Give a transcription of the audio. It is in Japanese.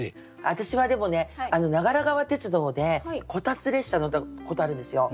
私はでもね長良川鉄道でこたつ列車乗ったことあるんですよ。